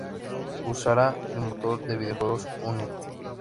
Usará el motor de videojuego Unity.